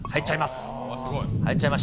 入っちゃいます。